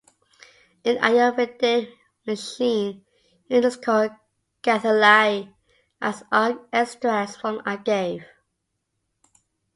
In Ayurvedic medicine it is called "kathalai", as are extracts from agave.